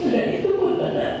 dan itu pun karena